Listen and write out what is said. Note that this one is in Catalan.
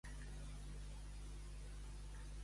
Per què es contaven relats sobre expedicions al cementeri?